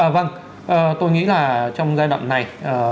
vâng tôi nghĩ là trong giai đoạn này